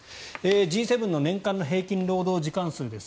Ｇ７の年間の平均労働時間数です。